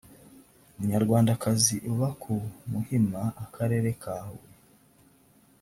umunyarwandakazi uba ku muhima akarere ka huye